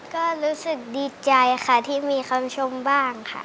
ก็รู้สึกดีใจค่ะที่มีคำชมบ้างค่ะ